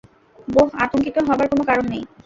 বোহ, আতঙ্কিত হবার কোনো কারণ নেই।